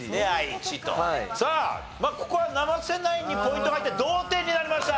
さあここは生瀬ナインにポイントが入って同点になりました。